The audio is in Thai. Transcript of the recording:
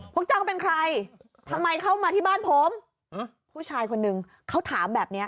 พวกเจ้าเป็นใครทำไมเข้ามาที่บ้านผมผู้ชายคนนึงเขาถามแบบเนี้ย